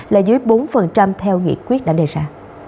là dưới bốn theo nghị quyết đã đề ra